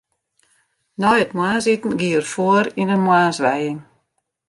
Nei it moarnsiten gie er foar yn in moarnswijing.